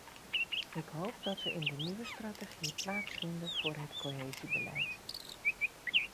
Ik hoop dat we in de nieuwe strategie plaats vinden voor het cohesiebeleid.